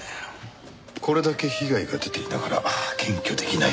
これだけ被害が出ていながら検挙出来ないのか。